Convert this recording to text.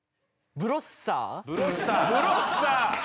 ブロッサー？